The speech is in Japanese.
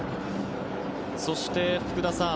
そして福田さん